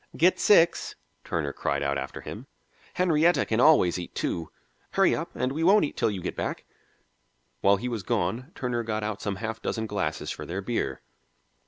"Get six," Turner cried out after him. "Henrietta can always eat two. Hurry up, and we won't eat till you get back." While he was gone Turner got out some half dozen glasses for their beer.